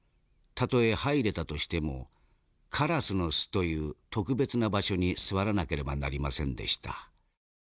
たとえ入れたとしてもカラスの巣という特別な場所に座らなければなりませんでした。